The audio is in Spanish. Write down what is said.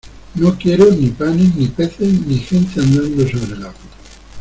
no quiero ni panes, ni peces , ni gente andando sobre el agua